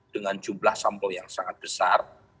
dengan jumlah sampel yang sangat besar